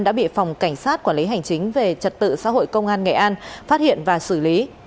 đã bị phòng cảnh sát quản lý hành chính về trật tự xã hội công an nghệ an phát hiện và xử lý